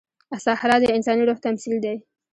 صحرا د انساني روح تمثیل دی.